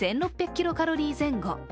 キロカロリー前後。